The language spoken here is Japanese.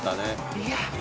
いや。